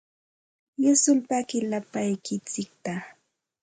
Yusulpaaqi lapalaykitsikta.